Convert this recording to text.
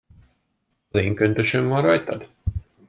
Az én köntösöm van rajtad?